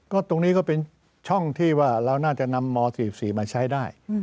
ก็ตรงนี้ก็เป็นช่องที่ว่าเราน่าจะนำม๔๔มาใช้ได้